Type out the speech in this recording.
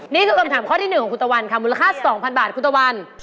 นี่คือคำถามข้อที่๑ของคุณตะวันค่ะมูลค่า๒๐๐บาทคุณตะวัน